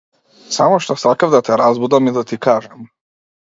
Само што сакав да те разбудам и да ти кажам.